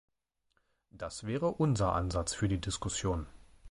Das wäre unser Ansatz für die Diskussion.